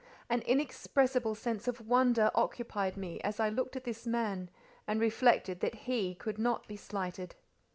An inexpressible sense of wonder occupied me, as I looked at this man, and reflected that he could not be slighted.